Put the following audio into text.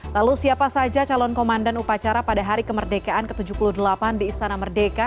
lalu siapa saja calon komandan upacara pada hari kemerdekaan ke tujuh puluh delapan di istana merdeka